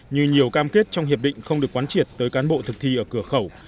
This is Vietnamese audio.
như nhiều cam kết trong hiệp định không được quán triệt tới cán bộ thực thi ở cửa khẩu